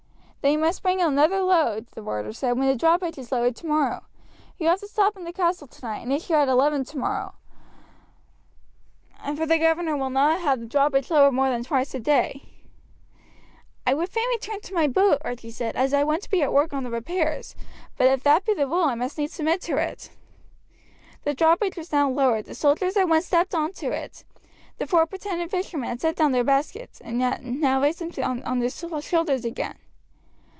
"Then you must bring another load," the warder said, "when the drawbridge is lowered tomorrow. You will have to stop in the castle tonight, and issue out at eleven tomorrow, for the governor will not have the drawbridge lowered more than twice a day." "I would fain return to my boat," Archie said, "as I want to be at work on the repairs; but if that be the rule I must needs submit to it." The drawbridge was now lowered. The soldiers at once stepped on to it. The four pretended fishermen had set down their baskets, and now raised them on their shoulders again.